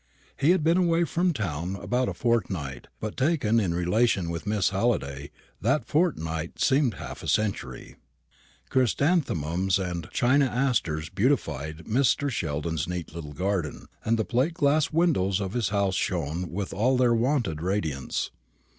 He had been away from town about a fortnight; but taken in relation with Miss Halliday, that fortnight seemed half a century. Chrysanthemums and china asters beautified Mr. Sheldon's neat little garden, and the plate glass windows of his house shone with all their wonted radiance.